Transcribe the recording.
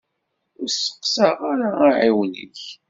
Ur steḥqeɣ ara aɛiwen-ik.